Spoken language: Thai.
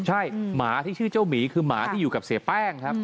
ใช่หมาที่ชื่อเจ้าหมีคือหมาที่อยู่กับเสียแป้งครับ